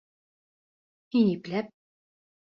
Һин ипләп!